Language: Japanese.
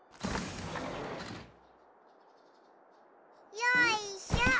よいしょ！